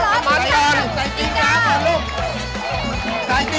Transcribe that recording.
ขอสอบนี้นะครับ